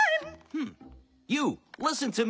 フン！